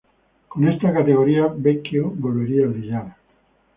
Con esta categoría, Vecchio volvería a brillar.